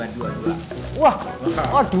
dua dua dua